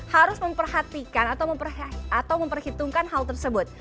harus memperhatikan atau memperhitungkan hal tersebut